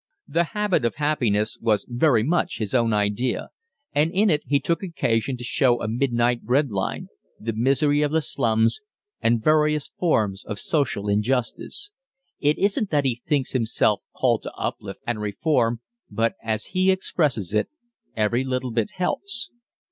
"The Habit of Happiness" was very much his own idea, and in it he took occasion to show a midnight bread line, the misery of the slums, and various forms of social injustice. It isn't that he thinks himself called to uplift and reform, but, as he expresses it, "Every little bit helps."